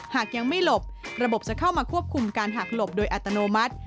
หากยังไม่หลบระบบจะเข้ามาควบคุมการหักหลบโดยอัตโนมัติ